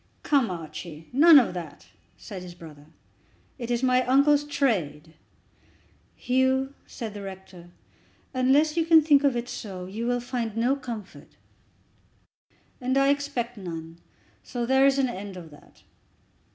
"Come, Archie, none of that," said his brother. "It is my uncle's trade." "Hugh," said the rector, "unless you can think of it so, you will find no comfort." "And I expect none, so there is an end of that.